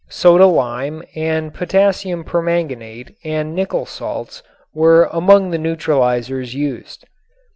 Soda lime and potassium permanganate and nickel salts were among the neutralizers used.